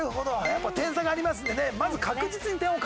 やっぱ点差がありますんでねまず。